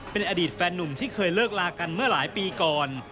เป็นอดีตแฟนนุ่มที่เคยเลิกลากันเมื่อหลายปีก่อน